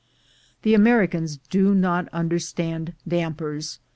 The Americans do not understand dampers.